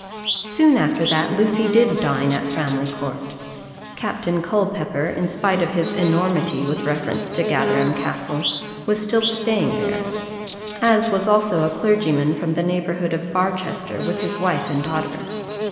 Soon after that, Lucy did dine at Framley Court. Captain Culpepper, in spite of his enormity with reference to Gatherum Castle, was still staying there, as was also a clergyman from the neighbourhood of Barchester with his wife and daughter.